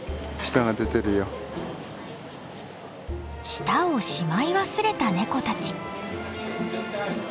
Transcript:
舌をしまい忘れたネコたち。